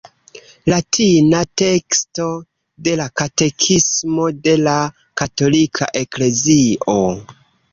Latina teksto de la katekismo de la katolika eklezio.